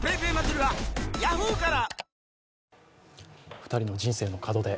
２人の人生の門出